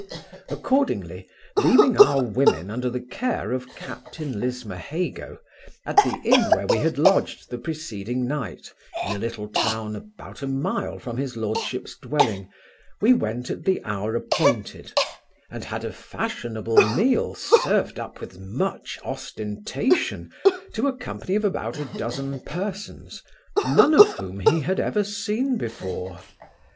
Accordingly, leaving our women under the care of captain Lismahago, at the inn where we had lodged the preceding night, in a little town, about a mile from his lordship's dwelling, we went at the hour appointed, and had a fashionable meal served up with much ostentation to a company of about a dozen persons, none of whom he had ever seen before.